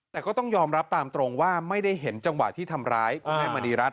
แต่ก็ต้องยอมรับตามตรงว่าไม่ได้เห็นจังหวะที่ทำร้ายคุณแม่มณีรัฐ